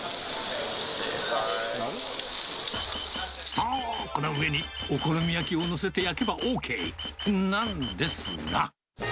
そう、この上にお好み焼きを載せて焼けばＯＫなんですが。